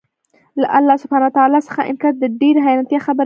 له الله سبحانه وتعالی څخه انكار د ډېري حيرانتيا خبره ده